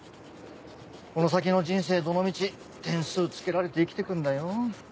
この先の人生どの道点数付けられて生きてくんだよ。